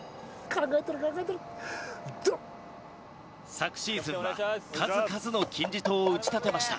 昨シーズンは数々の金字塔を打ち立てました。